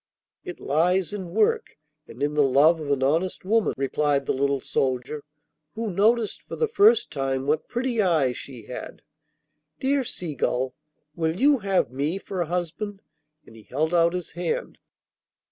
'It lies in work and in the love of an honest woman,' replied the little soldier, who noticed for the first time what pretty eyes she had. 'Dear Seagull, will you have me for a husband?' and he held out his hand.